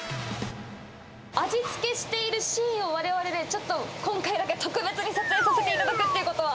味付けしているシーンをわれわれでちょっと今回だけ特別に撮影させていただくということは？